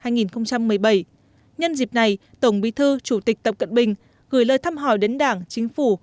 nhân dịp này tổng bí thư chủ tịch tập cận bình gửi lời thăm hỏi đến đảng chính phủ